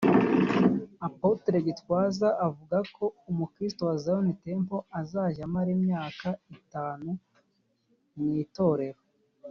Apotre Gitwaza avuga umukristo wa Zion Temple azajya amara imyaka itanu mu itorero